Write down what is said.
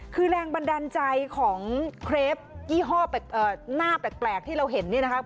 คือแรงบันดาลใจของเครปยี่ห้อแปลกหน้าแปลกที่เราเห็นนี่นะครับ